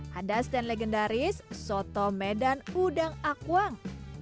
hadas dan legendaris soto medan udang akwang